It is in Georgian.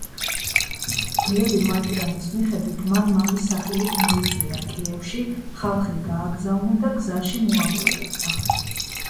გლები მატიანის მიხედვით მან მამის სახელით მოიწვია კიევში, ხალხი გააგზავნა და გზაში მოაკვლევინა.